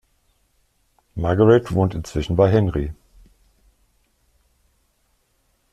Margaret wohnt inzwischen bei Henry.